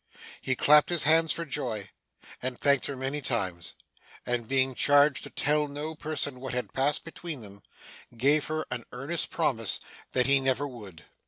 He clapped his hands for joy, and thanked her many times; and being charged to tell no person what had passed between them, gave her an earnest promise that he never would.